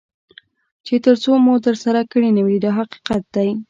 چې تر څو مو ترسره کړي نه وي دا حقیقت دی.